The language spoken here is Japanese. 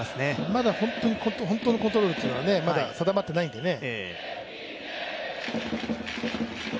まだ本当のコントロールは定まっていないんでね。